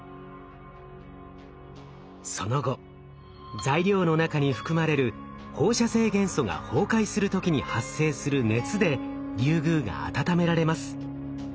その後材料の中に含まれる放射性元素が崩壊する時に発生する熱でリュウグウが温められます。